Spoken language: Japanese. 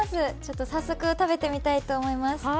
早速食べてみたいと思います。